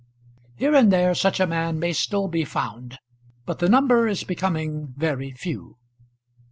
Here and there such a man may still be found, but the number is becoming very few.